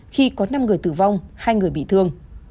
khi có năm người tử vong hai người bị thương